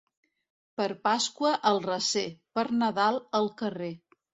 Per Pasqua, al recer, per Nadal, al carrer.